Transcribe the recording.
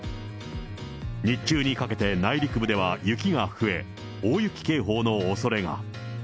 日中にかけて内陸部では雪が増え、大雪警報のおそれが。